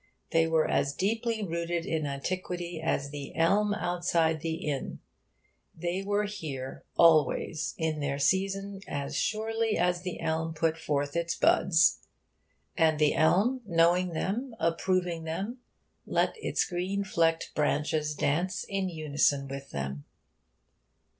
They were as deeply rooted in antiquity as the elm outside the inn. They were here always in their season as surely as the elm put forth its buds. And the elm, knowing them, approving them, let its green flecked branches dance in unison with them.